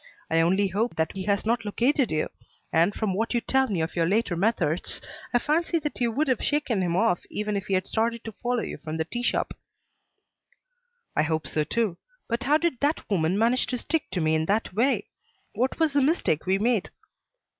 I only hope that he has not located you, and, from what you tell me of your later methods, I fancy that you would have shaken him off even if he had started to follow you from the tea shop." "I hope so too. But how did that woman manage to stick to me in that way? What was the mistake we made?"